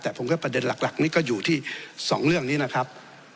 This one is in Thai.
แต่ผมก็ประเด็นหลักนี่ก็อยู่ที่๒เรื่องนี้นะครับ